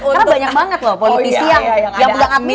karena banyak banget loh politisi yang pegang admin